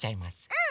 うん！